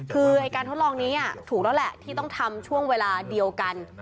คือการทดลองนี้ถูกแล้วแหละที่ต้องทำช่วงเวลาเดียวกัน